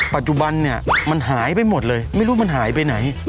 ปัจจุบันเนี่ยมันหายไปหมดเลยไม่รู้มันหายไปไหน